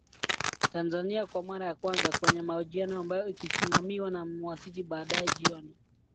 Tanzania kwa mara ya kwanza kwenye mahojiano ambayo ikisimamiwa na Mwasiti Baadae jioni